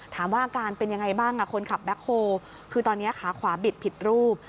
อาการเป็นยังไงบ้างคนขับแบ็คโฮคือตอนนี้ขาขวาบิดผิดรูป